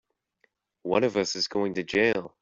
One of us is going to jail!